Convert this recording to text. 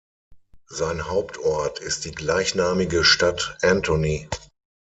Sein Hauptort ist die gleichnamige Stadt Antony.